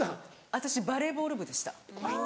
私バレーボール部でした。